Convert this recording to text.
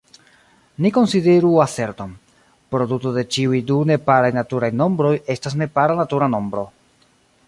Ni konsideru aserton: "Produto de ĉiuj du neparaj naturaj nombroj estas nepara natura nombro.